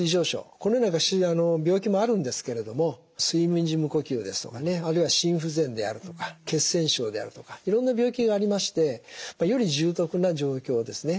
このような病気もあるんですけれども睡眠時無呼吸ですとかねあるいは心不全であるとか血栓症であるとかいろんな病気がありましてより重篤な状況ですね。